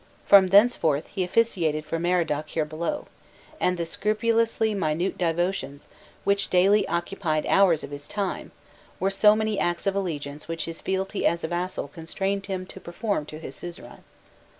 From thenceforth, he officiated for Merodach here below, and the scrupulously minute devotions, which daily occupied hours of his time, were so many acts of allegiance which his fealty as a vassal constrained him to perform to his suzerain.